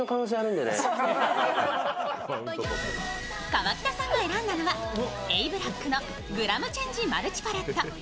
河北さんが選んだのは、Ａ．ＢＬＡＣＫのグラムチェンジマルチパレット。